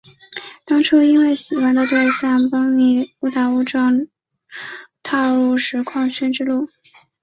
当初因为喜欢的对象蹦米误打误撞踏入实况圈之路。